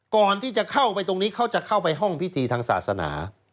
ก่อนที่จะเข้าไปตรงนี้เขาจะเข้าไปห้องพิธีทางศาสนา